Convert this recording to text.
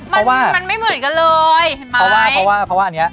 มันมันไม่เหมือนกันเลยเพราะว่าเพราะว่าคือเพราะว่าอันนี้